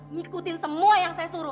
ngikutin semua yang saya suruh